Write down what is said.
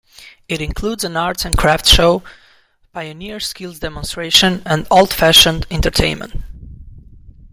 It includes an arts and craft show, pioneer skills demonstration, and "old-fashioned" entertainment.